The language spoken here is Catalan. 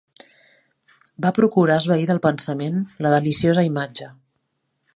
Va procurar esvair del pensament la deliciosa imatge